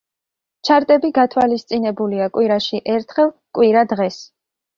ჩარტები გათვალისწინებულია კვირაში ერთხელ კვირა დღეს.